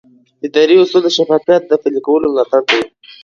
اداري اصول د شفافیت د پلي کولو ملاتړ کوي.